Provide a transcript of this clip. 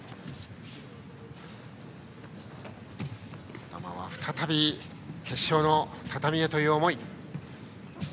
児玉は再び決勝の畳へという思い。